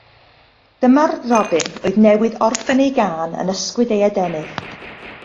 Dyma'r robin, oedd newydd orffen ei gân, yn ysgwyd ei adenydd.